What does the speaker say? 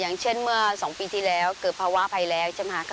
อย่างเช่นเมื่อ๒ปีที่แล้วเกิดภาวะภัยแรงใช่ไหมคะ